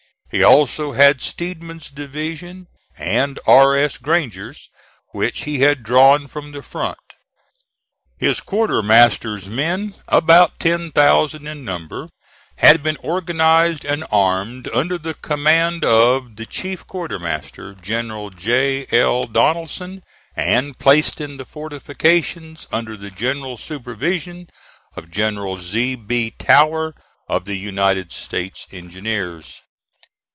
He also had Steedman's division and R. S. Granger's, which he had drawn from the front. His quartermaster's men, about ten thousand in number, had been organized and armed under the command of the chief quartermaster, General J. L. Donaldson, and placed in the fortifications under the general supervision of General Z. B. Tower, of the United States Engineers.